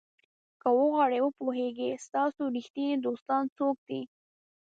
که غواړئ وپوهیږئ ستاسو ریښتیني دوستان څوک دي.